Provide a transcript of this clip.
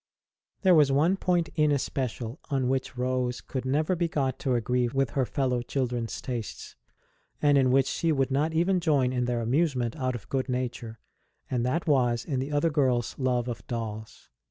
There was one point in especial on which Rose 4 50 ST. ROSE OF LIMA could never be got to agree with her fellow children s tastes, and in which she would not even join in their amusement out of good nature, and that was in the other girls love of dolls.